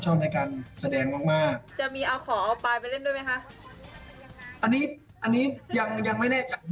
จะกลับมาไม่เห็นมึง